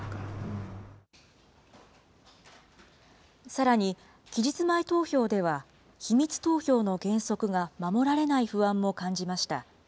さらに、期日前投票では、秘密投票の原則が守られない不安も感じました。